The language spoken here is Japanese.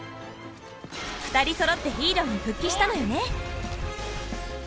２人そろってヒーローに復帰したのよね。